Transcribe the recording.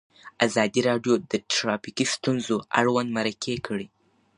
ازادي راډیو د ټرافیکي ستونزې اړوند مرکې کړي.